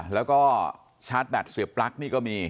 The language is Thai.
แล้วก็ชาร์จแบตเสียปลั๊กนี่ก็มี